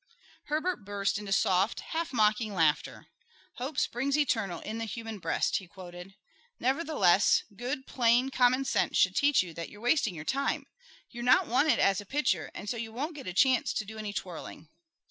Herbert burst into soft, half mocking laughter. "'Hope springs eternal in the human breast'," he quoted. "Nevertheless, good, plain, common sense should teach you that you're wasting your time. You're not wanted as a pitcher, and so you won't get a chance to do any twirling."